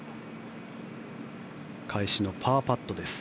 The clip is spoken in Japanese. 返しのパーパットです。